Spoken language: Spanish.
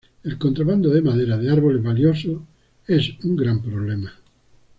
El contrabando de madera de árboles valiosos es un gran problema..